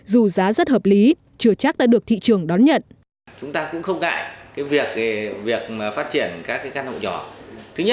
dù giá rất hợp lý chưa chắc đã được thị trường đón nhận